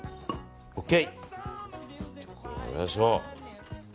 ＯＫ！